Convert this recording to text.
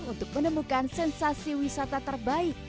untuk menemukan sensasi wisata terbaik